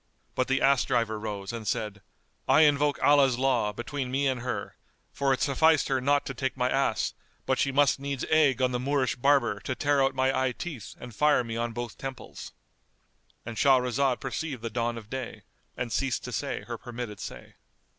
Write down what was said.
But the ass driver rose and said "I invoke Allah's law[FN#212] between me and her; for it sufficed her not to take my ass, but she must needs egg on the Moorish barber to tear out my eye teeth and fire me on both temples."——And Shahrazad perceived the dawn of day and ceased to say her permitted say.